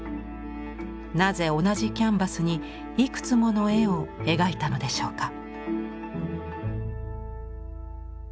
なぜ同じキャンバスにいくつもの絵を描いたのでしょうか。